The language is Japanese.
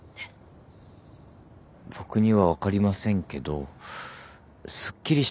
僕には分かりませんけどすっきりした方がよくないですか。